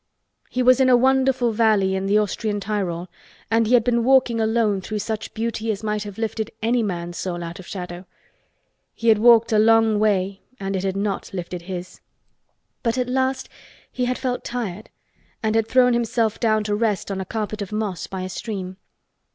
He was in a wonderful valley in the Austrian Tyrol and he had been walking alone through such beauty as might have lifted, any man's soul out of shadow. He had walked a long way and it had not lifted his. But at last he had felt tired and had thrown himself down to rest on a carpet of moss by a stream.